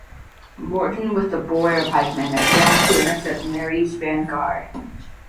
Morton with the border pikemen advanced to intercept Mary's vanguard.